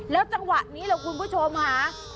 แล้วจังหวะนี้ล่ะคุณผู้ชมค่ะ